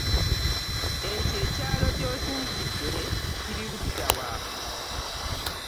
Ekyo ekyalo gy'osinzidde kiri ludda wa?